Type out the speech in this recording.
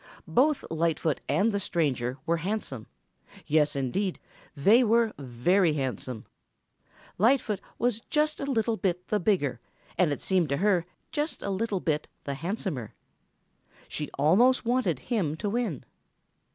Both Lightfoot and the big stranger were handsome. Yes, indeed, they were very handsome. Lightfoot was just a little bit the bigger and it seemed to her just a little bit the handsomer. She almost wanted him to win.